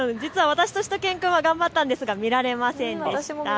私としゅと犬くんは頑張ったんですが見られませんでした。